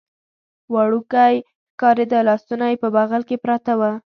وړوکی ښکارېده، لاسونه یې په بغل کې پراته و.